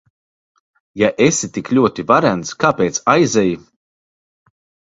Ja esi tik ļoti varens, kāpēc aizej?